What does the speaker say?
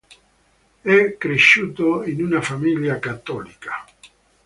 È cresciuto in una famiglia cattolica.